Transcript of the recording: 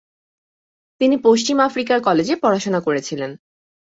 তিনি পশ্চিম আফ্রিকার কলেজে পড়াশোনা করেছিলেন।